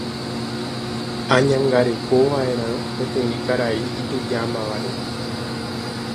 Añangarekova'erã peteĩ karai itujámavare.